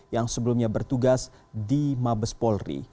yang sebelumnya bertugas di mabes polri